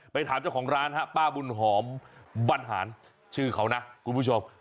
ถามเจ้าของร้านฮะป้าบุญหอมบรรหารชื่อเขานะคุณผู้ชม